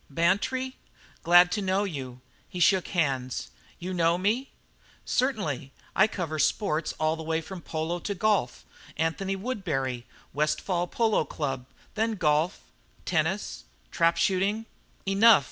"Bantry? Glad to know you." He shook hands. "You know me?" "Certainly. I cover sports all the way from polo to golf. Anthony Woodbury Westfall Polo Club then golf, tennis, trap shooting " "Enough!"